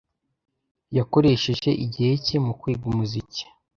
Yakoresheje igihe cye mu kwiga umuziki.